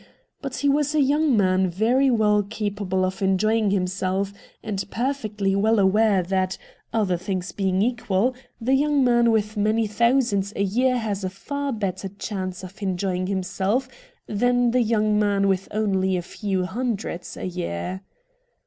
But he was a young man very well capable of enjoying himself, and perfectly well aware that, other things being equal, the young man with many thousands a year has a far better chance of enjoying himself than the young man with only a few hundreds a year.